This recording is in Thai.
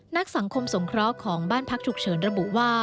นักสังคมสงเคราะห์ของบ้านพักฉุกเฉินระบุว่า